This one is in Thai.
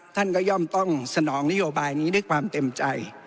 ท่านก็ย่อมต้องสนองนโยบายนี้ด้วยความเต็มใจ